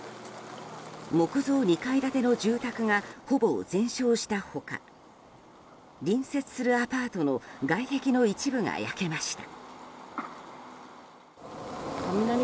木造２階建ての住宅がほぼ全焼した他隣接するアパートの外壁の一部が焼けました。